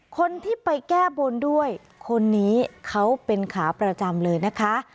คนที่ไปแก้บนด้วยคนนี้เขาเป็นขาประจำเลยนะคะ